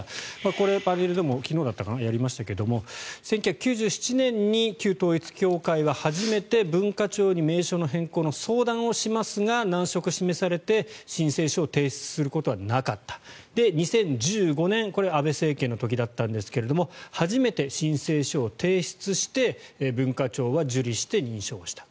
これはパネルでも昨日だったかな、やりましたが１９９７年に旧統一教会は初めて文化庁に名称の変更の相談をしますが難色を示されて申請書を提出することはなかった２０１５年、これは安倍政権の時だったんですが初めて申請書を提出して文化庁は受理して、認証をした。